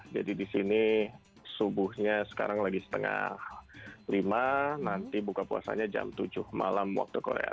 jadi di sini subuhnya sekarang lagi setengah lima nanti buka puasanya jam tujuh malam waktu korea